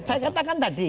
saya katakan tadi